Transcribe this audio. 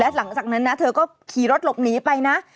หลังจากนั้นนะเธอก็ขี่รถหลบหนีไปนะ